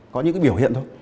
có những cái biểu hiện thôi